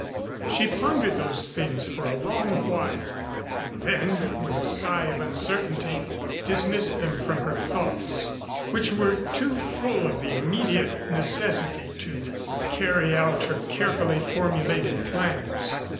She pondered those things for a long while and then with a sigh of uncertainty dismissed them from her thoughts, which were too full of the immediate necessity to carry out her carefully formulated plans.